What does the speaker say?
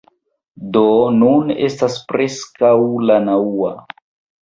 Do, nun estas preskaŭ la naŭa